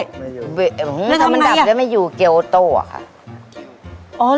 ไม่อยู่ถ้ามันดับแล้วไม่อยู่เกียร์โอโต้ค่ะแล้วทำไหนอ่ะอืมถ้ามันดับแล้วไม่อยู่เกียร์โอโต้ค่ะ